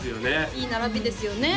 いい並びですよね